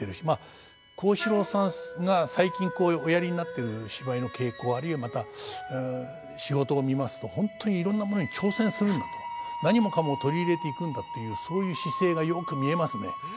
まあ幸四郎さんが最近おやりになってる芝居の傾向あるいはまた仕事を見ますと本当に「いろんなものに挑戦するんだ」と「何もかも取り入れていくんだ」というそういう姿勢がよく見えますね。